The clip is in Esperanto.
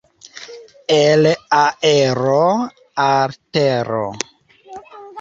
El aero al tero.